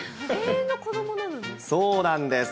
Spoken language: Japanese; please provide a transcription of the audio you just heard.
そうなんです。